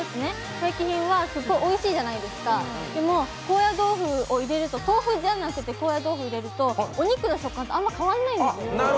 正規品はすごくおいしいじゃないですかでも豆腐じゃなくて、高野豆腐入れるとお肉の食感ってあんまり変わらないんですよ。